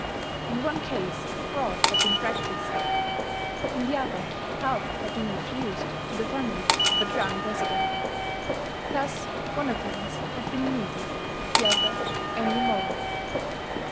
In one case a fraud had been practised; in the other, help had been refused to the family of a drowned resident. Thus one offence had been legal; the other only moral.